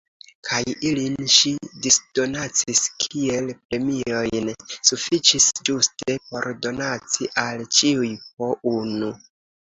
Kaj ilin ŝi disdonacis kiel premiojn. Sufiĉis ĝuste por donaci al ĉiuj po unu.